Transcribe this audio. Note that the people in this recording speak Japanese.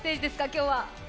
今日は。